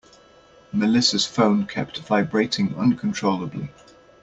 Melissa's phone kept vibrating uncontrollably.